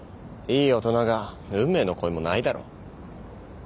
いい大人が運命の恋もないだろう。